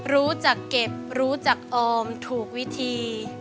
รู้จักเก็บรู้จักออมถูกวิธี